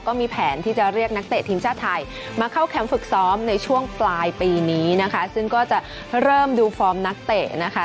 ก็มีแผนที่จะเรียกนักเตะทีมชาติไทยมาเข้าแคมป์ฝึกซ้อมในช่วงปลายปีนี้นะคะซึ่งก็จะเริ่มดูฟอร์มนักเตะนะคะ